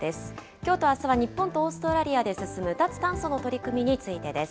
きょうとあすは日本とオーストラリアで進む脱炭素の取り組みにつ